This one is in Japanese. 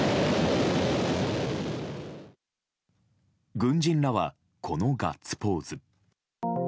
軍人らは、このガッツポーズ。